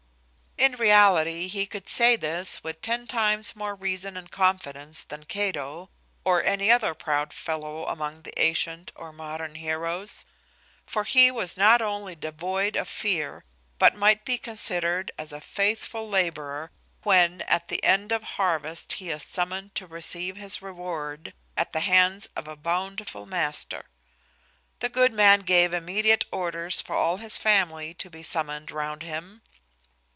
In reality, he could say this with ten times more reason and confidence than Cato, or any other proud fellow among the antient or modern heroes; for he was not only devoid of fear, but might be considered as a faithful labourer, when at the end of harvest he is summoned to receive his reward at the hands of a bountiful master. The good man gave immediate orders for all his family to be summoned round him.